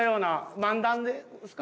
漫談ですか？